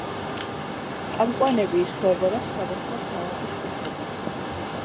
წამყვანები იცვლებოდა სხვადასხვა ქალაქის მიხედვით.